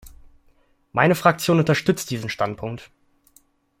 Meine Fraktion unterstützt diesen Standpunkt.